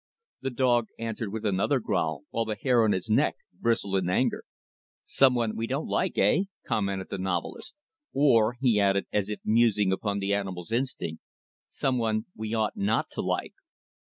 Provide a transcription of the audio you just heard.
The dog answered with another growl, while the hair on his neck bristled in anger. "Some one we don't like, heh!" commented the novelist. "Or" he added as if musing upon the animal's instinct "some one we ought not to like."